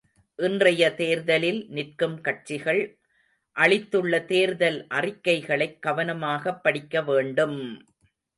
இன்றைய தேர்தலில் நிற்கும் கட்சிகள் அளித்துள்ள தேர்தல் அறிக்கைகளைக் கவனமாகப் படிக்க வேண்டும்!